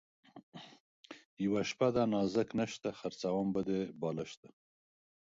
یوه شپه ده نازک نسته ـ خرڅوم به دې بالښته